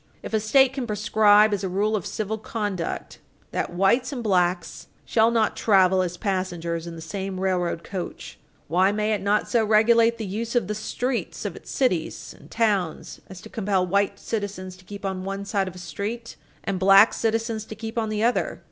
If a State can prescribe, as a rule of civil conduct, that whites and blacks shall not travel as passengers in the same railroad coach, why may it not so regulate the use of the streets of its cities and towns as to compel white citizens to keep on one side of a street and black citizens to keep on the other?